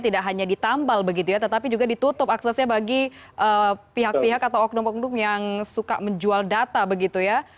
tidak hanya ditambal begitu ya tetapi juga ditutup aksesnya bagi pihak pihak atau oknum oknum yang suka menjual data begitu ya